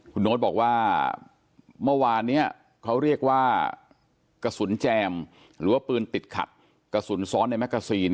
คุณโน๊ตบอกว่าเมื่อวานนี้เขาเรียกว่ากระสุนแจมหรือว่าปืนติดขัดกระสุนซ้อนในแกซีน